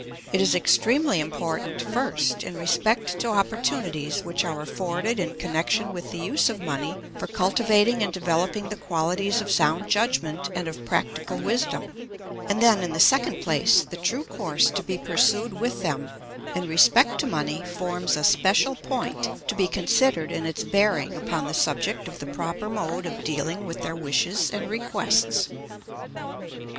It is extremely important, first, in respect to opportunities which are afforded in connection with the use of money for cultivating and developing the qualities of sound judgment and of practical wisdom; and then, in the second place, the true course to be pursued with them in respect to money forms a special point to be considered in its bearing upon the subject of the proper mode of dealing with their wishes and requests.